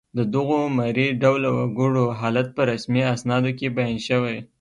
د دغو مري ډوله وګړو حالت په رسمي اسنادو کې بیان شوی